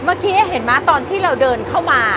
เมื่อกี้เห็นไหมตอนที่เราเดินเข้ามา